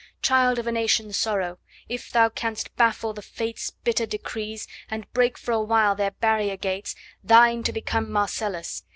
Child of a nation's sorrow! if thou canst baffle the Fates' Bitter decrees, and break for a while their barrier gates, Thine to become Marcellus!